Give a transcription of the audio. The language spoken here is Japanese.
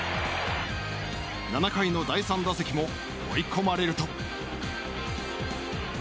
７回の第３打席も追い込まれると。